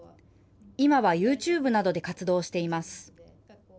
今はユーチューブなどで活動しています。